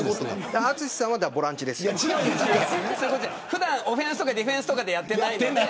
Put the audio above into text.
普段オフェンスやディフェンスでやってないので。